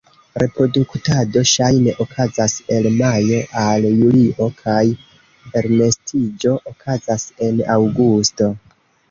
Reproduktado ŝajne okazas el majo al julio, kaj elnestiĝo okazas en aŭgusto.